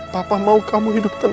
papa mau kamu hidup tenang